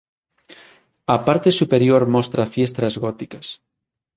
A parte superior mostra fiestras góticas.